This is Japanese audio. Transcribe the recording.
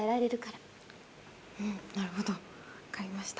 なるほどわかりました。